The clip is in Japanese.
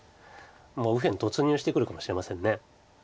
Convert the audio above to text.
もう右辺突入してくるかもしれません。